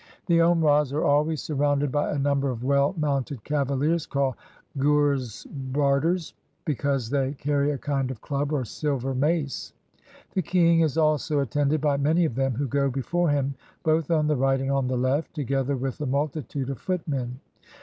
The Omrahs are always surrounded by a number of well mounted cavaliers, called gourze berdars, because they carry a kind of club, or silver mace. The king is also attended by many of them, who go before him, both on the right and on the left, together with a multitude of footmen.